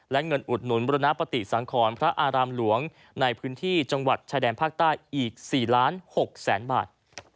และเงินอุดหนุนบุรณปฏิสังขรพระอารามหลวงในพื้นที่จังหวัดชายแดนภาคใต้อีก๔ล้าน๖แสนบาท